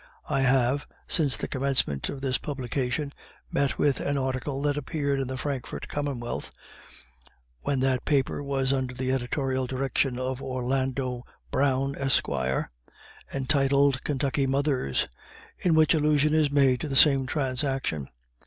I have, since the commencement of this publication, met with an article that appeared in the Frankfort Commonwealth (when that paper was under the editorial direction of Orlando Brown, Esq.) entitled "Kentucky Mothers," in which allusion is made to the same transaction.